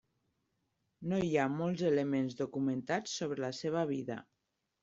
No hi ha molts elements documentats sobre la seva vida.